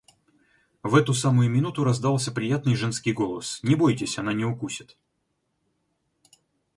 В эту самую минуту раздался приятный женский голос: «Не бойтесь, она не укусит».